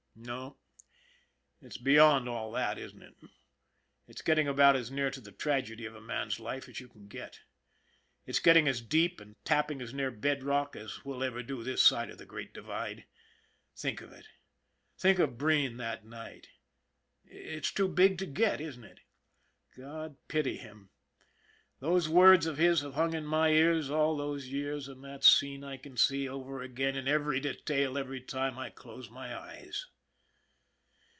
No. It's beyond all that, isn't it? It's getting about as near to the tragedy of a man's life as you can get. It's getting as deep and tapping as near bed rock as we'll ever do this side of the Great Divide. Think of it ! Think of Breen that night it's too big to get, isn't it ? God pity him ! Those words of his have rung in my ears all these years, and that scene I can see over again in every detail every time I close my eyes.